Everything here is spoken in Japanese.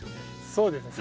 そうですね。